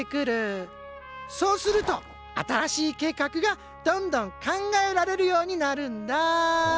そうすると新しい計画がどんどん考えられるようになるんだ。